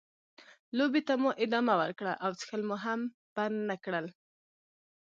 لوبې ته مو ادامه ورکړه او څښل مو هم بند نه کړل.